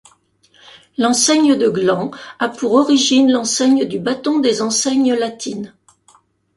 L'enseigne de gland a pour origine l'enseigne du bâton des enseignes latines.